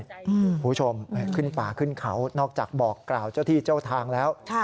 คุณผู้ชมขึ้นป่าขึ้นเขานอกจากบอกกล่าวเจ้าที่เจ้าทางแล้ว